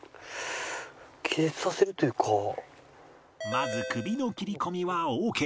まず首の切り込みはオーケー